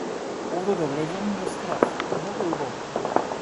Овде да влезам, ми е страв, многу е убаво.